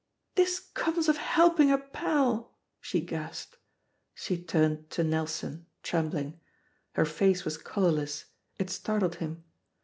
"This comes of helping a pall" she gasped. She turned to Nelson, trembling. Her face was colourless, it startled him.